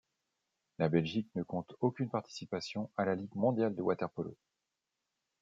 La Belgique ne compte aucune participation à la Ligue mondiale de water-polo.